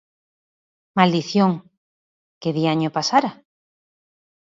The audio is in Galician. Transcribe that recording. Maldición, ¿que diaño pasara?